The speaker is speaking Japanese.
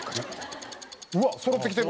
うわっそろってきてる。